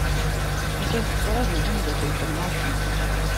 A-t-an tettraju temddakelt n Massi .